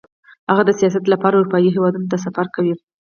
هغه د سیاحت لپاره اروپايي هېوادونو ته سفر کوي